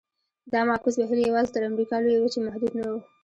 دا معکوس بهیر یوازې تر امریکا لویې وچې محدود نه و.